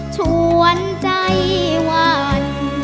ชวนใจว่าง